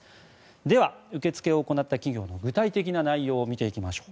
では、受け付けを行った企業の具体的な内容を見ていきましょう。